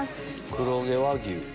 黒毛和牛。